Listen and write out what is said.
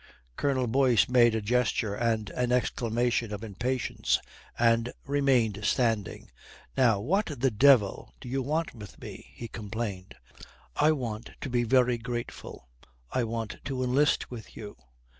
Colonel Boyce made a gesture and an exclamation of impatience, and remained standing. "Now, what the devil do you want with me?" he complained. "I want to be very grateful. I want to enlist with you.